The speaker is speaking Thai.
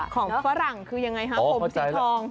ฝรั่งคือยังไงฮะผมสีทอง